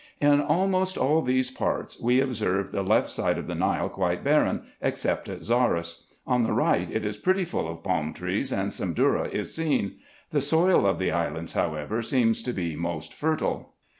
In almost all these parts we observed the left side of the Nile quite barren, except at Zarras. On the right it is pretty full of palm trees, and some dhourra is seen. The soil of tire islands, however, seems to be the most fertile.